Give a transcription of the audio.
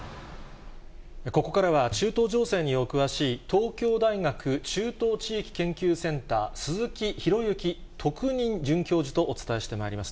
ここからは、中東情勢にお詳しい、東京大学中東地域研究センター、鈴木啓之特任准教授とお伝えしてまいります。